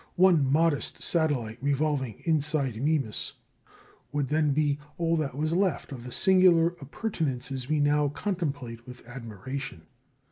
One modest satellite, revolving inside Mimas, would then be all that was left of the singular appurtenances we now contemplate with admiration.